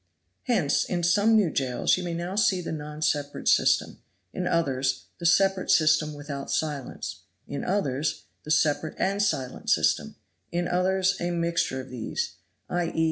Hence, in some new jails you may now see the non separate system; in others, the separate system without silence; in others, the separate and silent system; in others, a mixture of these, i. e.